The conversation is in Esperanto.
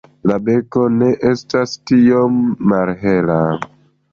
La beko ne estas tiom malhela.